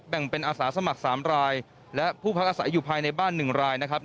แบ่งเป็นอาสาสมัครสามรายและผู้พักอาศัยอยู่ภายในบ้าน๑รายนะครับ